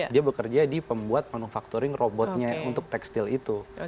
dia bekerja di pembuat manufacturing robotnya untuk tekstil itu